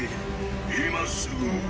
今すぐ！